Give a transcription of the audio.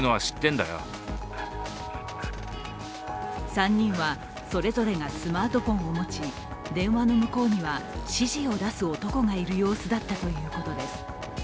３人はそれぞれがスマートフォンを持ち電話の向こうには、指示を出す男がいる様子だったということです。